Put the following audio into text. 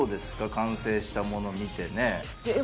完成したもの見てねいや